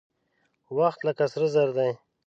وخت لکه سره زر دى.